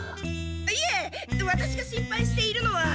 いえワタシが心配しているのは。